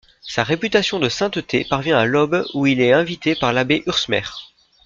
Sa réputation de sainteté parvient à Lobbes où il est invité par l'abbé Ursmer.